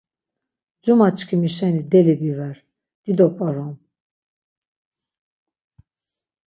Cuma çkimi şeni deli biver, dido p̌orom.